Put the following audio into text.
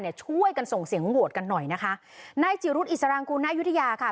ช่วยกันส่งเสียงโหวตกันหน่อยนะคะนายจิรุษอิสรางกูลนายุธยาค่ะ